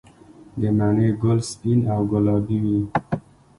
د مڼې ګل سپین او ګلابي وي؟